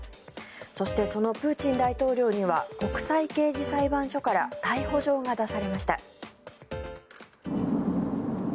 そして、そのプーチン大統領には国際刑事裁判所から逮捕状が出されました。